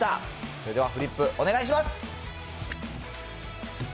それではフリップ、お願いします。